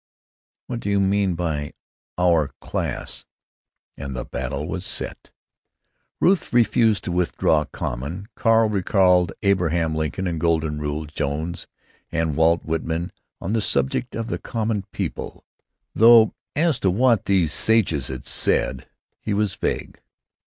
"What do you mean by 'our class'?" And the battle was set. Ruth refused to withdraw "common." Carl recalled Abraham Lincoln and Golden Rule Jones and Walt Whitman on the subject of the Common People, though as to what these sages had said he was vague.